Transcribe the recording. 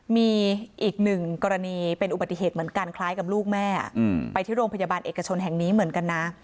มีอีกหนึ่งกรณีเป็นอุบัติเหตุเหมือนกันคล้ายกับลูกแม่ไปที่โรงพยาบาลเอกชนแห่งนี้เหมือนกันนะ